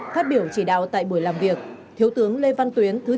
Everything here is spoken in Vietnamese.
phát biểu chỉ đạo tại buổi làm việc thiếu tướng lê văn tuyến